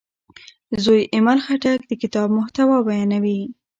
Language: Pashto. زوی یې ایمل خټک د کتاب محتوا بیانوي.